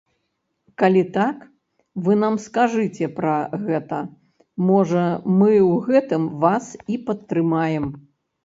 Калі так, вы нам скажыце пра гэта, можа, мы ў гэтым вас і падтрымаем.